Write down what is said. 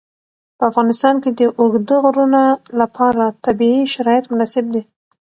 په افغانستان کې د اوږده غرونه لپاره طبیعي شرایط مناسب دي.